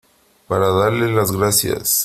para darle las gracias ,